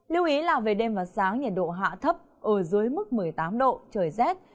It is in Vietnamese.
lưu ý là về đêm và sáng nhiệt độ hạ thấp ở dưới mức một mươi tám độ trời rét